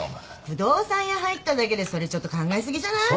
不動産屋入っただけでそれちょっと考え過ぎじゃない？